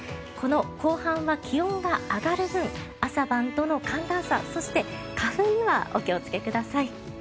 この後半は気温が上がる分朝晩との寒暖差そして花粉にはお気をつけください。